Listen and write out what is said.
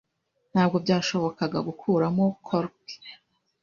Ntabwo byashobokaga gukuramo cork.